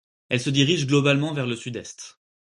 Elle se dirige globalement vers le sud-est.